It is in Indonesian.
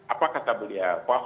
apa kata beliau